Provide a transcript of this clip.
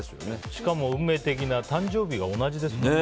しかも運命的な誕生日が同じですもんね。